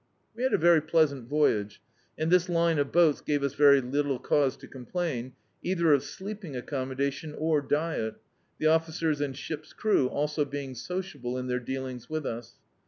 We had a very pleasant voyage, and this line of boats gave us very little cause to cwnplain, cither of sleeping accommodation or diet, the officers and ship's crew also being sociable in their dealings with us.